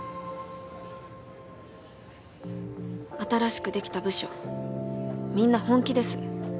新しく出来た部署みんな本気です。